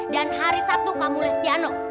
dan hari sabtu kamu les piano